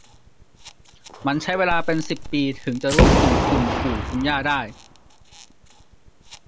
มันใช้เวลาเป็นสิบปีถึงจะร่วมกลุ่มคุณปู่คุณย่าได้